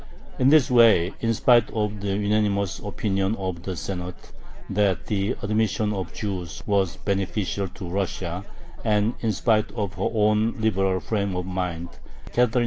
In this way, in spite of the unanimous opinion of the Senate, that the admission of Jews was beneficial to Russia, and in spite of her own liberal frame of mind, Catherine II.